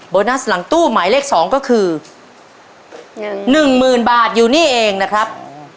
โบนัสหลังตู้หมายเลขสองก็คือหนึ่งหมื่นบาทอยู่นี่เองนะครับ